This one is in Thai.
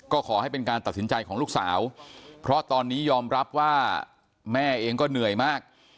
ก็ขอให้เป็นการตัดสินใจของลูกสาวเพราะตอนนี้ยอมรับว่าแม่เองก็เหนื่อยมาก